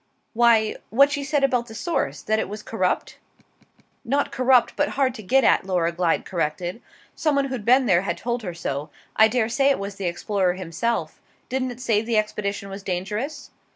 "Why, what she said about the source that it was corrupt?" "Not corrupt, but hard to get at," Laura Glyde corrected. "Some one who'd been there had told her so. I daresay it was the explorer himself doesn't it say the expedition was dangerous?"